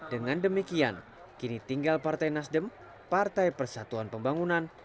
dengan demikian kini tinggal partai nasdem partai persatuan pembangunan